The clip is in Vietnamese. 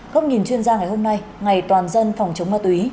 góc nhìn chuyên gia ngày hôm nay ngày toàn dân phòng chống ma túy